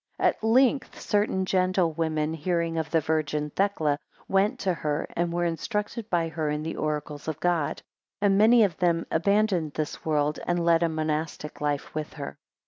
15 At length certain gentle women hearing of the virgin Thecla, went to her, and were instructed by her in the oracles of God, and many of them abandoned this world, and led a monastic life with her.